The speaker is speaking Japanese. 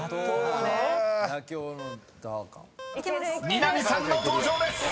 ［南さんの登場です。